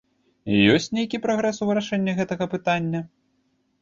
Ёсць нейкі прагрэс у вырашэнні гэтага пытання?